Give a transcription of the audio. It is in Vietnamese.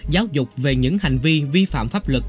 giáo dục về những hành vi vi phạm pháp luật